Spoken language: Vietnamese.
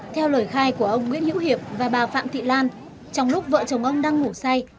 theo lời khai của ông nguyễn hữu hiệp và bà phạm thị lan trong lúc vợ chồng ông đang ngủ say